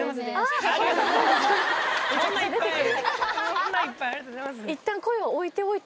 そんないっぱいありがとうございます。